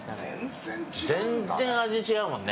全然味が違うもんね。